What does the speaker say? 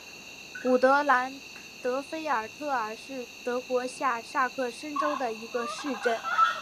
古德兰德菲尔特尔是德国下萨克森州的一个市镇。